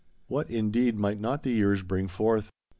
What, indeed, might not the years bring forth